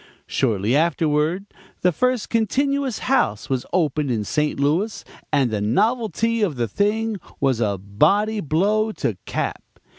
"Shortly afterward the first 'continuous house' was opened in St. Louis, and the novelty of the thing was a body blow to Cap.